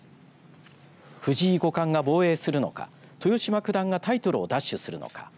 藤井五冠が防衛するのか豊島九段がタイトルを奪取するのか。